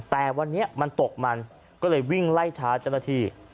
แต่วันนี้มันตกมันก็เลยวิ่งไล่ช้าเจ้าหน้าที่